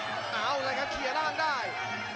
เอาเลยครับเขียนล่างได้